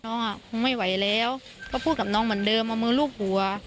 อ่ะคงไม่ไหวแล้วก็พูดกับน้องเหมือนเดิมเอามือลูบหัว